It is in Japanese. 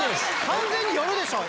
完全に夜でしょ。